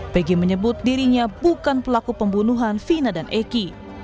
pg menyebut dirinya bukan pelaku pembunuhan vina dan eki